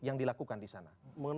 yang keempat itu keempat